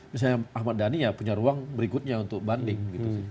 misalnya ahmad dhani ya punya ruang berikutnya untuk banding